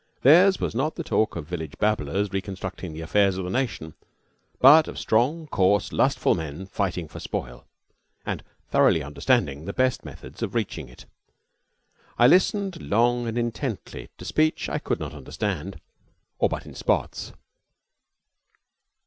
Theirs was not the talk of village babblers reconstructing the affairs of the nation, but of strong, coarse, lustful men fighting for spoil, and thoroughly understanding the best methods of reaching it. I listened long and intently to speech I could not understand or but in spots.